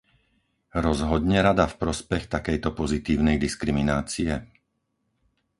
Rozhodne Rada v prospech takejto pozitívnej diskriminácie?